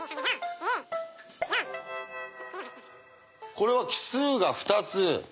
これは奇数が２つ。